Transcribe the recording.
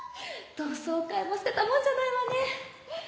同窓会も捨てたもんじゃないわね。